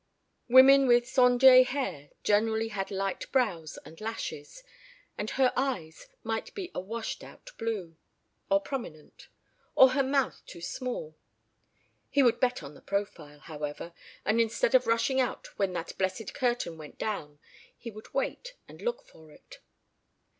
Women with cendré hair generally had light brows and lashes, and her eyes might be a washed out blue. Or prominent. Or her mouth too small. He would bet on the profile, however, and instead of rushing out when that blessed curtain went down he would wait and look for it.